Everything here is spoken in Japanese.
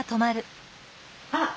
あっ！